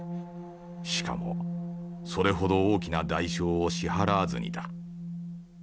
しかもそれほど大きな代償を支払わずにだ」。